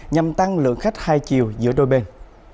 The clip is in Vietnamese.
nhằm tăng lượng khách hai chiều giữa đôi bên